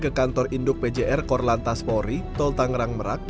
ke kantor induk pjr korlantas polri tol tangerang merak